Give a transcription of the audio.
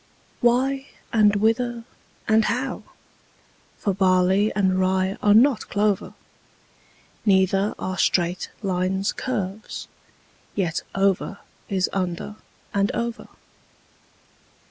Why, and whither, and how? for barley and rye are not clover: Neither are straight lines curves: yet over is under and over.